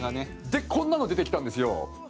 でこんなの出てきたんですよ。